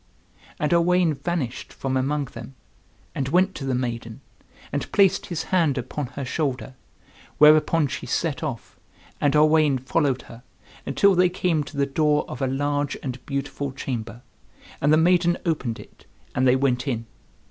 And Owain vanished from among them, and went to the maiden, and placed his hand upon her shoulder; whereupon she set off, and Owain followed her, until they came to the door of a large and beautiful chamber, and the maiden opened it, and they went in.